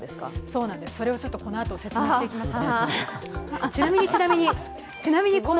そうなんです、それをこのあと説明していきます。